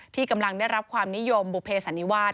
ที่กำลังได้รับความนิยมบุเภสันนิวาส